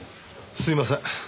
すいません。